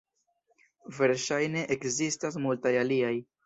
Verŝajne ekzistas multaj aliaj.